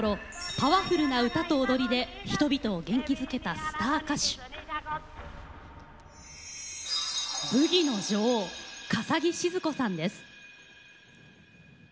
パワフルな歌と踊りで人々を元気づけたスター歌手ブギの女王、笠置シヅ子さんです。